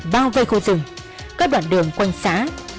bao vây khu rừng các đoạn đường quanh xã